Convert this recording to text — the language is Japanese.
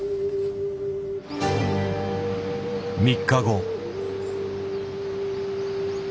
３日後。